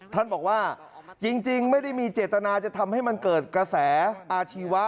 ท่านบอกว่าจริงไม่ได้มีเจตนาจะทำให้มันเกิดกระแสอาชีวะ